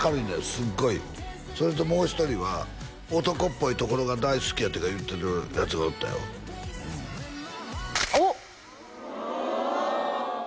すっごいそれともう一人は男っぽいところが大好きやって言ってるヤツがおったよおっ！